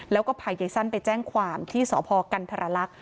แล้วก็พายายสั้นไปแจ้งความที่สพกันธรรลักษณ์